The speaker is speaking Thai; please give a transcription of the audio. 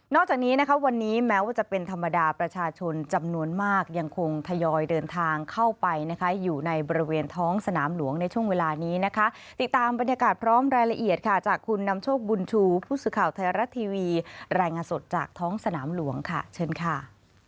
จากนี้นะคะวันนี้แม้ว่าจะเป็นธรรมดาประชาชนจำนวนมากยังคงทยอยเดินทางเข้าไปนะคะอยู่ในบริเวณท้องสนามหลวงในช่วงเวลานี้นะคะติดตามบรรยากาศพร้อมรายละเอียดค่ะจากคุณนำโชคบุญชูผู้สื่อข่าวไทยรัฐทีวีรายงานสดจากท้องสนามหลวงค่ะเชิญค่ะ